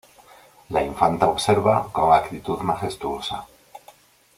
La infanta observa con actitud majestuosa.